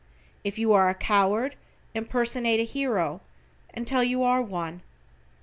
If you are a coward impersonate a hero, until you are one.